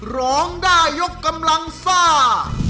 ร้องได้ยกกำลังซ่า